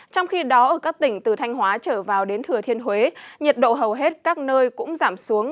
trong khi đó ở các tỉnh từ thanh hóa trở vào đến thừa thiên huế nhiệt độ hầu hết các nơi cũng giảm xuống